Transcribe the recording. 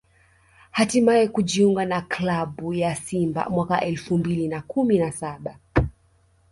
hatimaye kujiunga na klabu ya Simba mwaka elfu mbili na kumi na saba